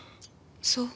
そう。